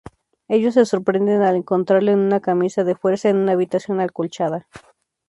Ellos se sorprenden al encontrarlo en una camisa de fuerza en una habitación acolchada.